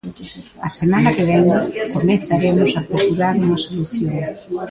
A semana que vén comezaremos a procurar unha solución.